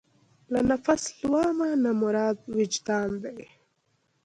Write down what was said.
له نفس لوامه نه مراد وجدان دی.